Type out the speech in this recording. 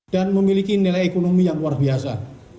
dan memiliki nilai ekonomi yang luar biasa